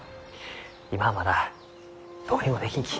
今はまだどうにもできんき。